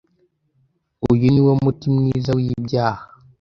Uyu niwo muti mwiza wibyaha.